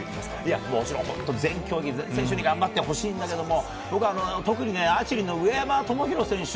もちろん、全ての選手に頑張ってほしいんだけど僕は特にアーチェリーの上山選手。